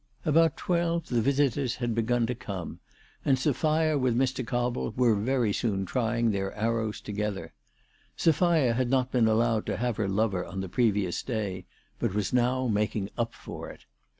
About twelve the visitors had begun to come, and Sophia with Mr. Cobble were very soon trying their arrows together. Sophia had not been allowed to have her lover on the previous day, but was now making up for it.